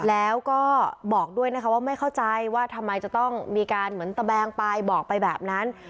แล้วก็บอกด้วยนะคะว่าไม่เข้าใจว่าทำไมจะต้องมีการเหมือนตะแบงไปบอกไปแบบนั้น